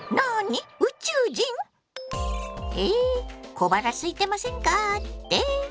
小腹すいてませんかって？